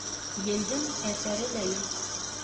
Елдең әҫәре лә юҡ.